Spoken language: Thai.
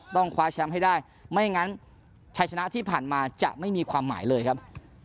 ต้องคว้าช้ำให้ได้ไม่อย่างนั้นชายชนะที่ผ่านมาจะไม่มีความหมายเลยครับ